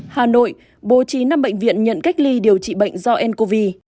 hà nội bố trí năm bệnh viện nhận cách ly điều trị bệnh do ncov